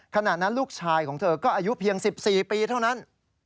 ขณะนั้นลูกชายของเธอก็อายุเพียง๑๔ปีเท่านั้น